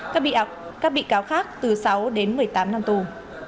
các bị cáo khác từ sáu đến một mươi tám năm tù